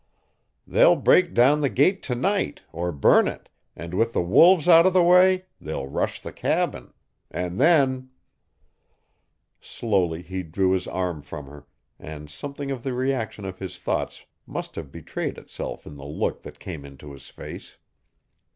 They'll break down the gate to night, or burn it, and with the wolves out of the way they'll rush the cabin. And then " Slowly he drew his arm from her, and something of the reaction of his thoughts must have betrayed itself in the look that came into his face.